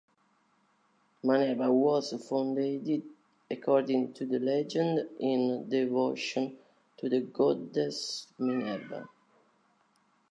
Manerba was founded, according to the legend, in devotion to the goddess Minerva.